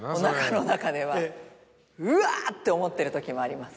て思ってる時もあります。